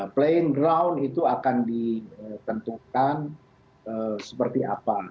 plain ground itu akan ditentukan seperti apa